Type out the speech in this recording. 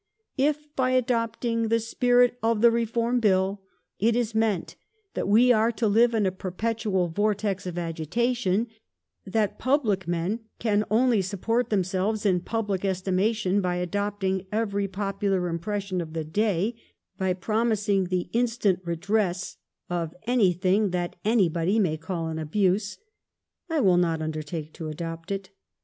" If by adopting the spirit of the Reform Bill it be meant that we are to live in a perpetual vortex of agitation ; that public men can only support themselves in public estimation by adopting every popular impression of the day, by promising the instant redress of anything that anybody may call an abuse ... I will not under take to adopt it.